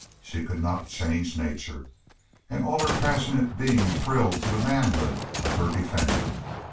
She could not change nature. And all her passionate being thrilled to the manhood of her defender.